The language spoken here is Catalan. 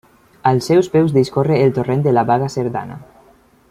Als seus peus discorre el torrent de la Baga Cerdana.